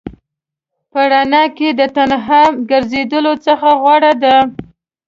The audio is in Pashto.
په رڼا کې د تنها ګرځېدلو څخه غوره ده.